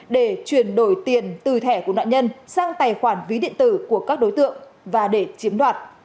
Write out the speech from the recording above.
để chuyển đổi tiền từ thẻ của nạn nhân sang tài khoản ví điện tử của các đối tượng và để chiếm đoạt